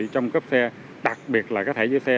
trong cấp xe đặc biệt là cái thẻ dưới xe